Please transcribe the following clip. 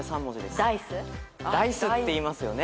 ダイスっていいますよね。